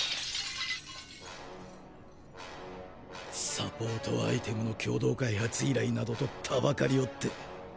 サポートアイテムの共同開発依頼などと謀りおって。